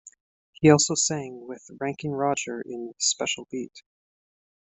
He also sang with Ranking Roger in Special Beat.